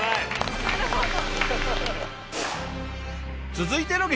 続いての激